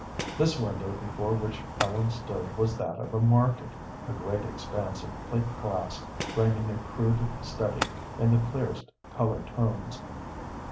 This window before which Ellen stood was that of a market: a great expanse of plate glass framing a crude study in the clearest color tones.